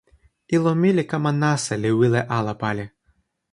ilo mi li kama nasa li wile ala pali.